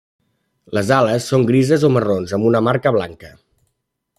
Les ales són grises o marrons amb una marca blanca.